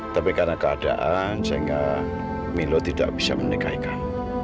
tapi karena keadaan sehingga milo tidak bisa menikahi kamu